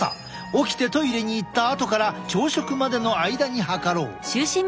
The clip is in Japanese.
起きてトイレに行ったあとから朝食までの間に測ろう。